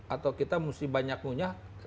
atau kita mesti banyak ngunyah